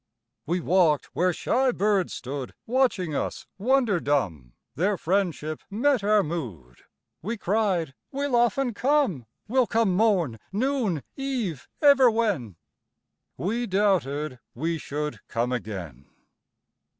We walked where shy birds stood Watching us, wonder dumb; Their friendship met our mood; We cried: "We'll often come: We'll come morn, noon, eve, everywhen!" —We doubted we should come again.